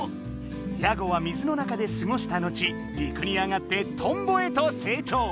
ヤゴは水の中で過ごしたのち陸に上がってトンボへと成長。